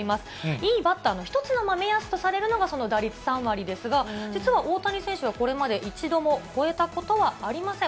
いいバッターの一つの目安とされるのがその打率３割ですが、実は大谷選手はこれまで一度も超えたことはありません。